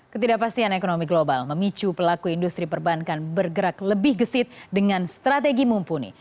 ketidakpastian ekonomi global memicu pelaku industri perbankan bergerak lebih gesit dengan strategi mumpuni